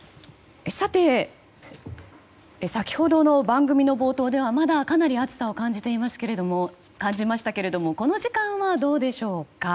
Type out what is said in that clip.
先ほどの番組の冒頭ではまだかなり暑さを感じましたけれどもこの時間はどうでしょうか？